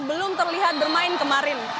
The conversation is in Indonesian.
belum terlihat bermain kemarin